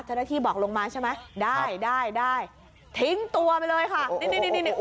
เจ้าหน้าที่บอกลงมาใช่ไหมได้ได้ได้ทิ้งตัวไปเลยค่ะนี่นี่